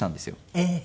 ええ。